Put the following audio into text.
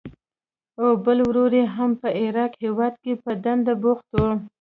او بل ورور یې هم په عراق هېواد کې په دنده بوخت و.